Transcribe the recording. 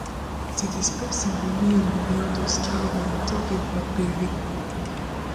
Cette espèce est nommée en l'honneur d'Oscar Valentin Reverberi.